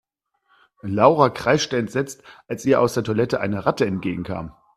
Laura kreischte entsetzt, als ihr aus der Toilette eine Ratte entgegenkam.